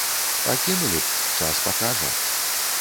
Пакінулі б, час пакажа.